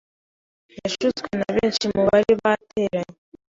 yashutswe nabenshi mubari bateranye.